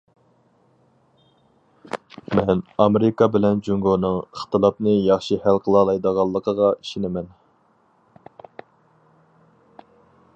مەن ئامېرىكا بىلەن جۇڭگونىڭ ئىختىلاپنى ياخشى ھەل قىلالايدىغانلىقىغا ئىشىنىمەن.